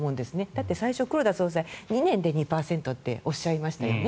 だって最初、黒田総裁、２年で２％っておっしゃいましたよね。